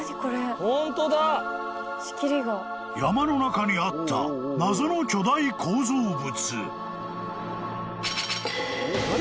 ［山の中にあった謎の巨大構造物］